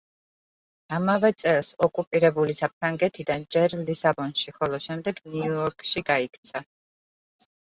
ამავე წელს, ოკუპირებული საფრანგეთიდან ჯერ ლისაბონში, ხოლო შემდეგ ნიუ-იორკში გაიქცა.